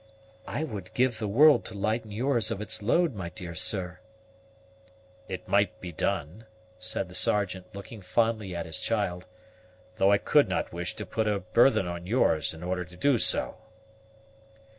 "I would give the world to lighten yours of its load, my dear sir." "It might be done," said the Sergeant, looking fondly at his child; "though I could not wish to put a burthen on yours in order to do so."